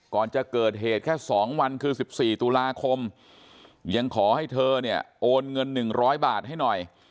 ก่อนจะเกิดเหตุแค่๒วันคือ๑๔ตุลาคมยังขอให้เธอเนี่ยโอนเงิน๑๐๐บาทให้หน่อย